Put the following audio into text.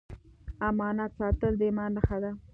امانت ساتل د ایمان نښه ده.